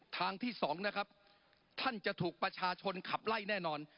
ทางที่๒นะครับท่านจะถูกประชาชนขับไล่แน่นอน